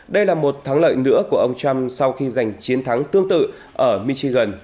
đây là một thắng lợi nữa của ông trump sau khi giành chiến thắng tương tự ở michigan